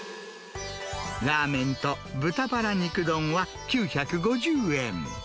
ラーメンと豚バラ肉丼は９５０円。